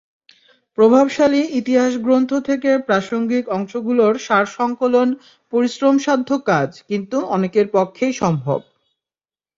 প্রভাবশালী ইতিহাসগ্রন্থ থেকে প্রাসঙ্গিক অংশগুলোর সার-সংকলন পরিশ্রমসাধ্য কাজ, কিন্তু অনেকের পক্ষেই সম্ভব।